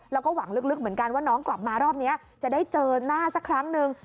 แล้วก็หวังลึกเหมือนกันว่าน้องกลับมารอบนี้จะได้เจอหน้าสักครั้งนึง